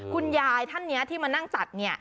คุณยายท่านนี้ที่มานั่งจัดเนี่ย